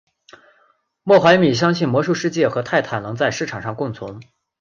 莫怀米相信魔兽世界和泰坦能在市场上共存。